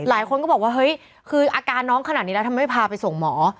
หลายคนก็บอกว่าเฮ้ยคืออาการน้องขนาดนี้แล้วทำไมไม่พาไปส่งหมอ